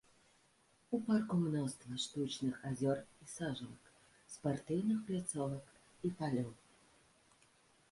У парку мноства штучных азёр і сажалак, спартыўных пляцовак і палёў.